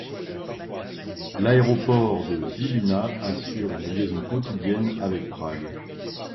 L'aéroport de Žilina assure une liaison quotidienne avec Prague.